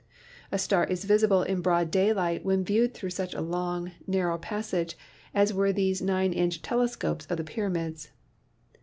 A star is visible in broad daylight when viewed through such a long, narrow passage as were these nine inch "telescopes" of the pyra mids.